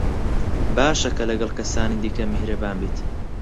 باشە کە لەگەڵ کەسانی دیکە میهرەبان بیت.